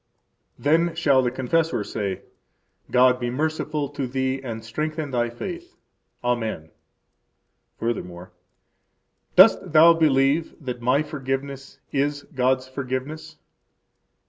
Then shall the confessor say: God be merciful to thee and strengthen thy faith! Amen. Furthermore: Dost thou believe that my forgiveness is God's forgiveness?